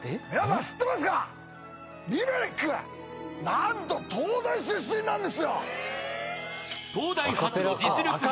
何と東大出身なんですよ。